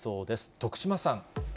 徳島さん。